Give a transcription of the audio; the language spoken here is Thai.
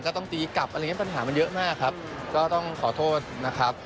ต้องตีกลับอะไรอย่างเงี้ปัญหามันเยอะมากครับก็ต้องขอโทษนะครับ